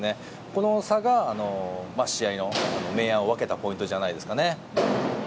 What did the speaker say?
この差が試合の明暗を分けたポイントじゃないですかね。